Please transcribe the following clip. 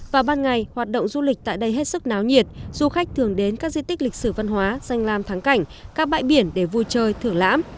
vào ban ngày hoạt động du lịch tại đây hết sức náo nhiệt du khách thường đến các di tích lịch sử văn hóa danh làm thắng cảnh các bãi biển để vui chơi thưởng lãm